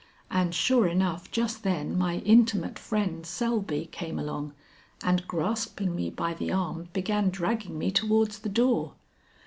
And sure enough just then my intimate friend Selby came along and grasping me by the arm began dragging me towards the door.